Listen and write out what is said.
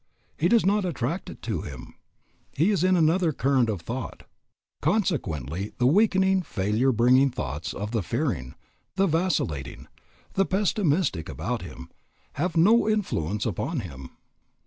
He does not attract it to him. He is in another current of thought. Consequently the weakening, failure bringing thoughts of the fearing, the vacillating, the pessimistic about him, have no influence upon him.